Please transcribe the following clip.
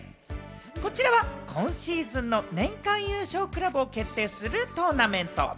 こちらは今シーズンの年間優勝クラブを決定するトーナメント。